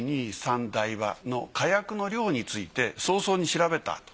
１２３台場の火薬の量について早々に調べた。